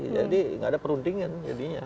jadi tidak ada perundingan jadinya